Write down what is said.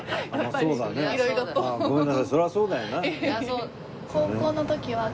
そりゃそうだよな。